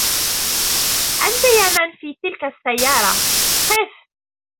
أنت يا من في تلك السيارة! قِف!